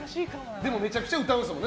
でも、めちゃくちゃ歌うんですもんね